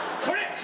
これ！